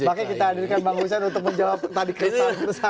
makanya kita hadirkan bang hussein untuk menjawab tadi keresahan